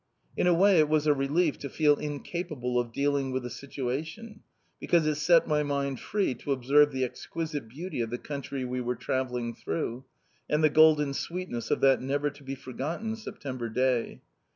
In a way it was a relief to feel incapable of dealing with the situation, because it set my mind free to observe the exquisite beauty of the country we were travelling through, and the golden sweetness of that never to be forgotten September day.